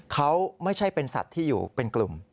เขาไม่ใช่เป็นสัตว์ที่อยู่เป็นกลุ่ม